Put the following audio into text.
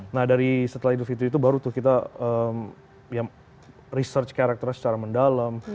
nah dari setelah idul fitri itu baru tuh kita research karakternya secara mendalam